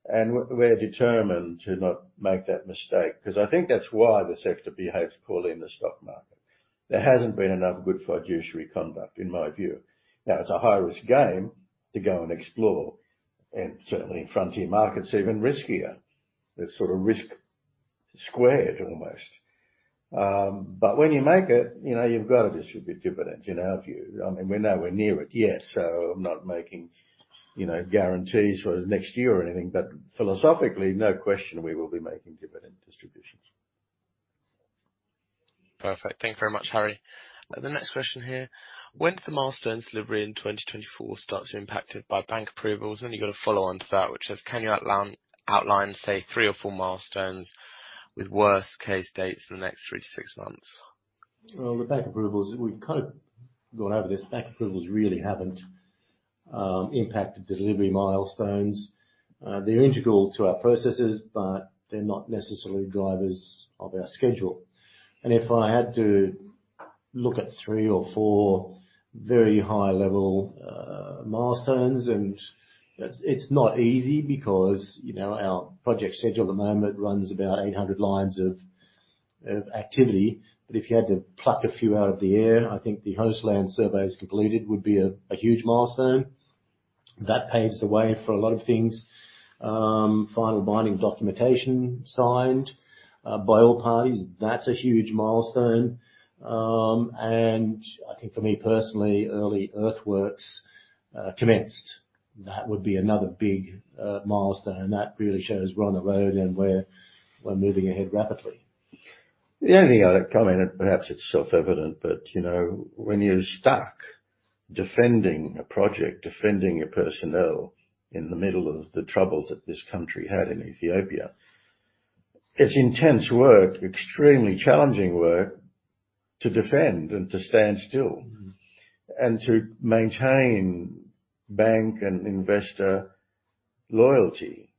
We're determined to not make that mistake, 'cause I think that's why the sector behaves poorly in the stock market. There hasn't been enough good fiduciary conduct, in my view. Now, it's a high-risk game to go and explore, and certainly in frontier markets, even riskier. It's sort of risk squared almost. When you make it, you know, you've got to distribute dividends in our view. I mean, we're nowhere near it yet, so I'm not making, you know, guarantees for next year or anything. Philosophically, no question we will be making dividend distributions. Perfect. Thank you very much, Harry. The next question here: When could the milestone delivery in 2024 start to be impacted by bank approvals? You've got a follow-on to that, which says: Can you outline, say, three or four milestones with worst case dates for the next three to six months? Well, with bank approvals, we've kind of gone over this. Bank approvals really haven't impacted delivery milestones. They're integral to our processes, but they're not necessarily drivers of our schedule. If I had to look at three or four very high-level milestones, and it's not easy because, you know, our project schedule at the moment runs about 800 lines of activity. If you had to pluck a few out of the air, I think the host land surveys completed would be a huge milestone. That paves the way for a lot of things. Final binding documentation signed by all parties, that's a huge milestone. I think for me personally, early earthworks commenced, that would be another big milestone. That really shows we're on the road and we're moving ahead rapidly. The only other comment, perhaps it's self-evident, but you know, when you're stuck defending a project, defending your personnel in the middle of the troubles that this country had in Ethiopia, it's intense work, extremely challenging work to defend and to stand still. Mm-hmm. To maintain bank and investor loyalty.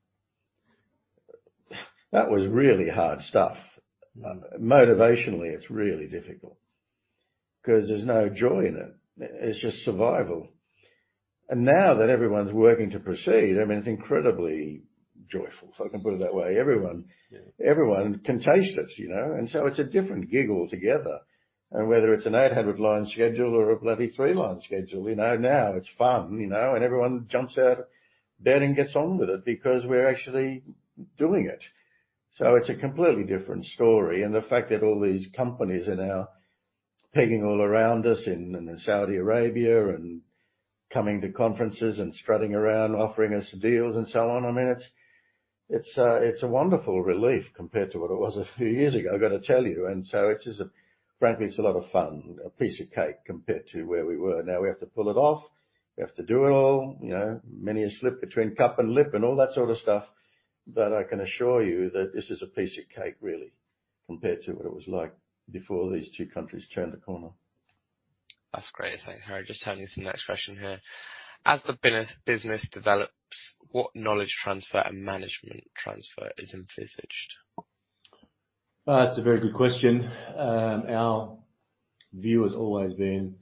That was really hard stuff. Mm-hmm. Motivationally, it's really difficult 'cause there's no joy in it. It's just survival. Now that everyone's working to proceed, I mean, it's incredibly joyful, if I can put it that way. Everyone. Yeah. Everyone can taste it, you know? It's a different gig altogether. Whether it's an 800-line schedule or a bloody three-line schedule, you know, now it's fun, you know, and everyone jumps out of bed and gets on with it because we're actually doing it. It's a completely different story. The fact that all these companies are now pegging all around us in Saudi Arabia and coming to conferences and strutting around offering us deals and so on, I mean, it's a wonderful relief compared to what it was a few years ago, I've got to tell you. It is a frankly. It's a lot of fun, a piece of cake compared to where we were. Now we have to pull it off. We have to do it all. You know, many a slip between cup and lip and all that sort of stuff. I can assure you that this is a piece of cake really, compared to what it was like before these two countries turned the corner. That's great. Thanks, Harry. Just turning to the next question here. As the business develops, what knowledge transfer and management transfer is envisaged? It's a very good question. Our view has always been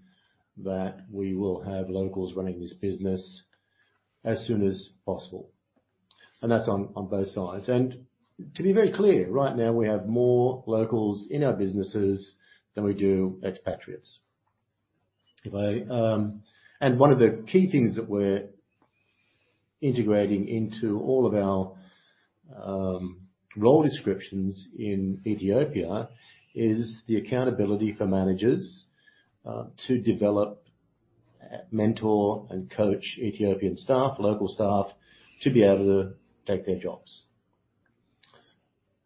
that we will have locals running this business as soon as possible. That's on both sides. To be very clear, right now we have more locals in our businesses than we do expatriates. One of the key things that we're integrating into all of our role descriptions in Ethiopia is the accountability for managers to develop, mentor and coach Ethiopian staff, local staff, to be able to take their jobs.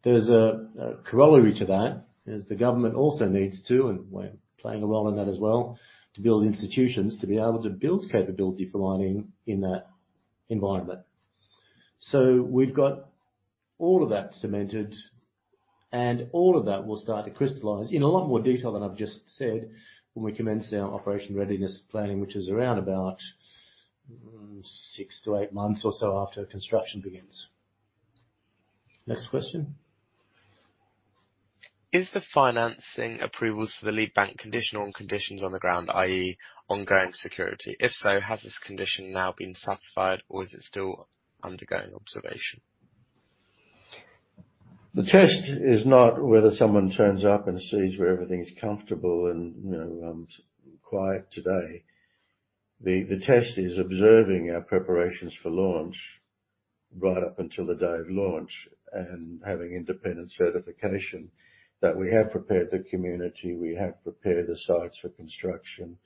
There's a corollary to that. The government also needs to, and we're playing a role in that as well, to build institutions to be able to build capability for mining in that environment. We've got all of that cemented, and all of that will start to crystallize in a lot more detail than I've just said, when we commence our operation readiness planning, which is around about, 6-8 months or so after construction begins. Next question. Is the financing approvals for the lead bank conditional on conditions on the ground, i.e., ongoing security? If so, has this condition now been satisfied or is it still undergoing observation? The test is not whether someone turns up and sees where everything's comfortable and, you know, quiet today. The test is observing our preparations for launch right up until the day of launch and having independent certification that we have prepared the community, we have prepared the sites for construction,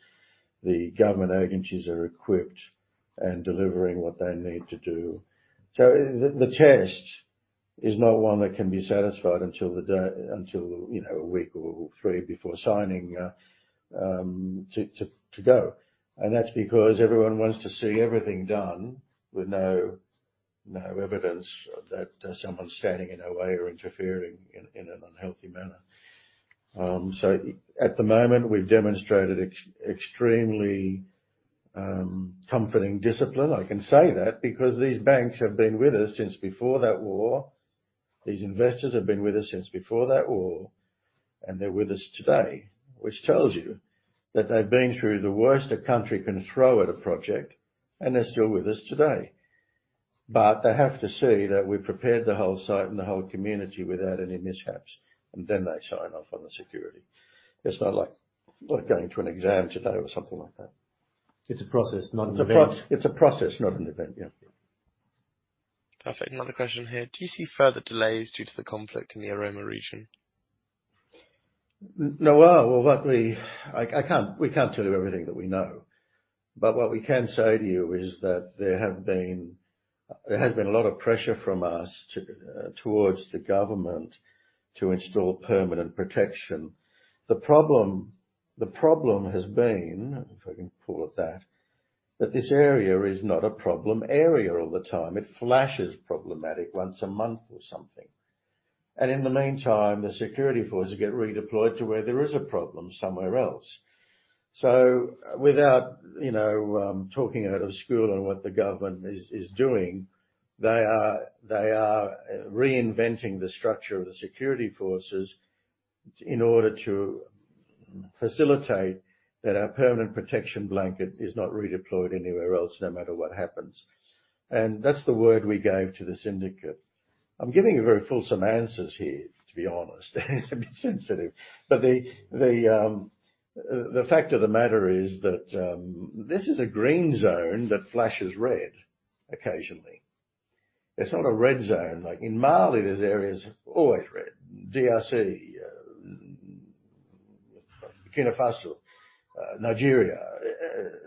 the government agencies are equipped and delivering what they need to do. The test is not one that can be satisfied until, you know, a week or three before signing to go. That's because everyone wants to see everything done with no evidence of that, there's someone standing in our way or interfering in an unhealthy manner. At the moment, we've demonstrated extremely comforting discipline. I can say that because these banks have been with us since before that war. These investors have been with us since before that war, and they're with us today, which tells you that they've been through the worst a country can throw at a project, and they're still with us today. They have to see that we've prepared the whole site and the whole community without any mishaps, and then they sign off on the security. It's not like going to an exam today or something like that. It's a process, not an event. It's a process, not an event, yeah. Perfect. Another question here: Do you see further delays due to the conflict in the Oromo region? No. Well, I can't, we can't tell you everything that we know. What we can say to you is that there has been a lot of pressure from us toward the government to install permanent protection. The problem has been, if I can call it that this area is not a problem area all the time. It flashes problematic once a month or something. In the meantime, the security forces get redeployed to where there is a problem somewhere else. Without you know talking out of school on what the government is doing, they are reinventing the structure of the security forces in order to facilitate that our permanent protection blanket is not redeployed anywhere else, no matter what happens. That's the word we gave to the syndicate. I'm giving you very fulsome answers here, to be honest. I'm being sensitive. The fact of the matter is that this is a green zone that flashes red occasionally. It's not a red zone. Like in Mali, there are areas always red. DRC, Kinshasa, Nigeria,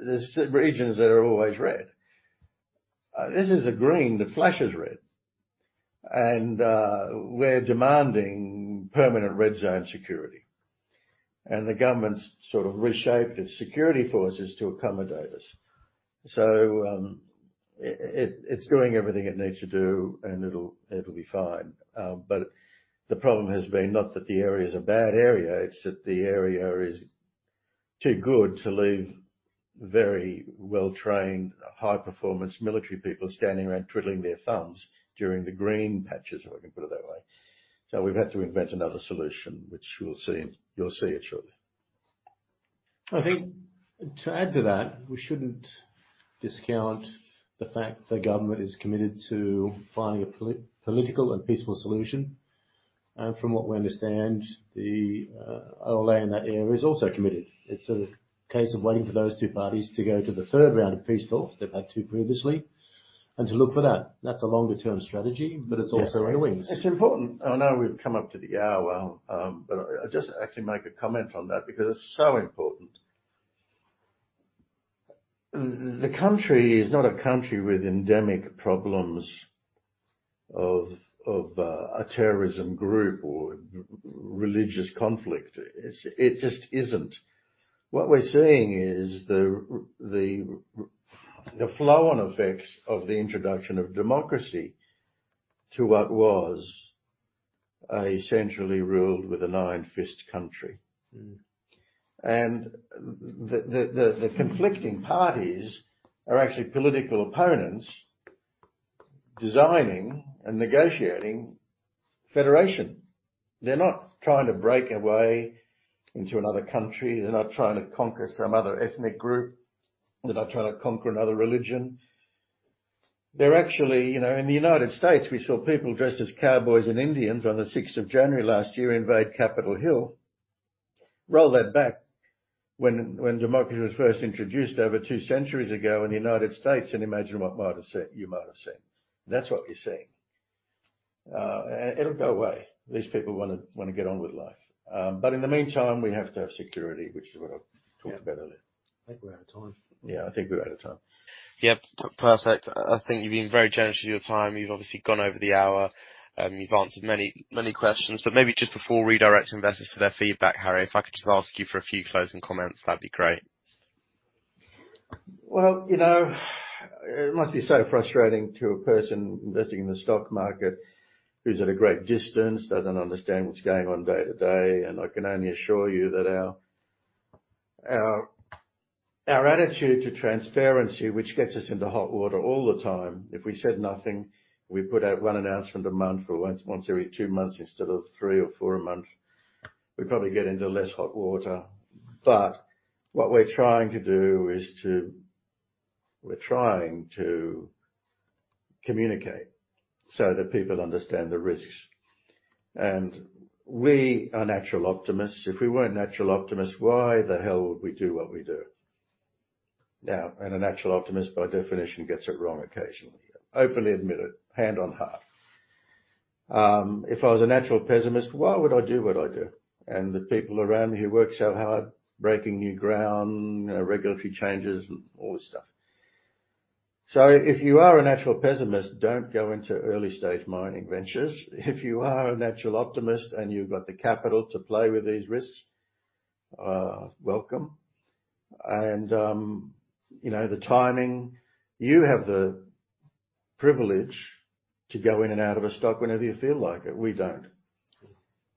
there are regions that are always red. This is a green that flashes red. We're demanding permanent red zone security. The government's sort of reshaped its security forces to accommodate us. It's doing everything it needs to do, and it'll be fine. The problem has been not that the area is a bad area, it's that the area is too good to leave very well-trained, high-performance military people standing around twiddling their thumbs during the green patches, if I can put it that way. We've had to invent another solution, which you'll see it shortly. I think to add to that, we shouldn't discount the fact the government is committed to finding a political and peaceful solution. From what we understand, the all land in that area is also committed. It's a case of waiting for those two parties to go to the third round of peace talks. They've had two previously. To look for that. That's a longer-term strategy, but it's also a win. It's important. I know we've come up to the hour, but I just actually make a comment on that because it's so important. The country is not a country with endemic problems of a terrorism group or religious conflict. It just isn't. What we're seeing is the flow-on effects of the introduction of democracy to what was a centrally ruled with an iron fist country. Mm. The conflicting parties are actually political opponents designing and negotiating federation. They're not trying to break away into another country. They're not trying to conquer some other ethnic group. They're not trying to conquer another religion. They're actually you know, in the United States, we saw people dressed as cowboys and Indians on the sixth of January last year invade Capitol Hill. Roll that back when democracy was first introduced over two centuries ago in the United States, and imagine what you might have seen. That's what we're seeing. It'll go away. These people wanna get on with life. In the meantime, we have to have security, which is what I've talked about earlier. I think we're out of time. Yeah, I think we're out of time. Yep, perfect. I think you've been very generous with your time. You've obviously gone over the hour. You've answered many questions. Maybe just before redirecting investors for their feedback, Harry, if I could just ask you for a few closing comments, that'd be great. Well, you know, it must be so frustrating to a person investing in the stock market who's at a great distance, doesn't understand what's going on day to day, I can only assure you that our attitude to transparency, which gets us into hot water all the time. If we said nothing, we put out one announcement a month or once every two months instead of three or four a month, we'd probably get into less hot water. What we're trying to do is to communicate so that people understand the risks. We are natural optimists. If we weren't natural optimists, why the hell would we do what we do? A natural optimist, by definition, gets it wrong occasionally. I openly admit it, hand on heart. If I was a natural pessimist, why would I do what I do? The people around me who work so hard, breaking new ground, regulatory changes and all this stuff. If you are a natural pessimist, don't go into early-stage mining ventures. If you are a natural optimist and you've got the capital to play with these risks, welcome. The timing. You have the privilege to go in and out of a stock whenever you feel like it. We don't.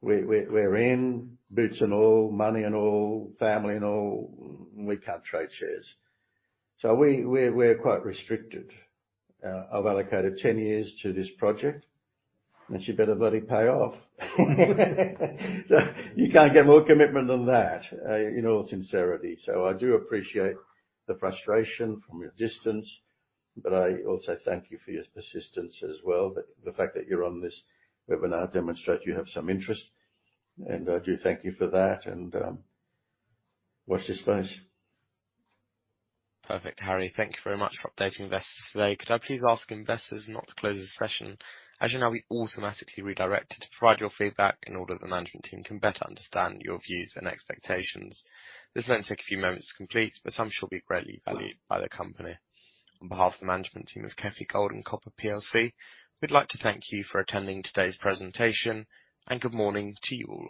We're in, boots and all, money and all, family and all. We can't trade shares. We're quite restricted. I've allocated 10 years to this project, and she better bloody pay off. You can't get more commitment than that, in all sincerity. I do appreciate the frustration from your distance, but I also thank you for your persistence as well. The fact that you're on this webinar demonstrates you have some interest, and I do thank you for that. Watch this space. Perfect. Harry, thank you very much for updating investors today. Could I please ask investors not to close this session. As you know, we automatically redirect you to provide your feedback in order that the management team can better understand your views and expectations. This will only take a few moments to complete, but I'm sure it will be greatly valued by the company. On behalf of the management team of KEFI Gold and Copper plc, we'd like to thank you for attending today's presentation, and good morning to you all.